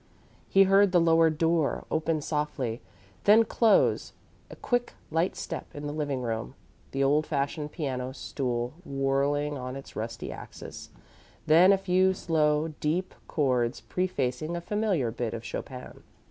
He heard the lower door open softly, then close, a quick, light step in the living room, the old fashioned piano stool whirling on its rusty axis, then a few slow, deep chords prefacing a familiar bit of Chopin.